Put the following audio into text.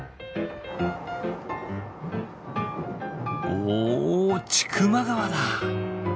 お千曲川だ！